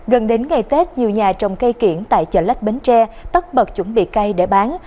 gần đến ngày tết nhiều nhà trồng cây kiển tại chợ lách bến tre tắt bật chuẩn bị cây để bán